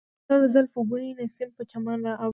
ستا د زلفو بوی نسیم په چمن راوړ.